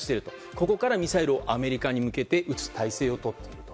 ここからミサイルをアメリカに向けて撃つ体制をとっていると。